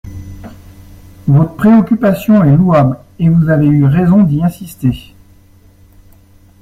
Votre préoccupation est louable, et vous avez eu raison d’y insister.